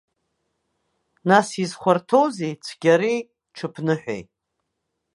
Нас изхәарҭоузеи цәгьареи ҽыԥныҳәеи?